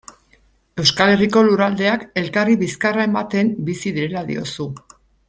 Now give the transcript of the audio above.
Euskal Herriko lurraldeak elkarri bizkarra ematen bizi direla diozu.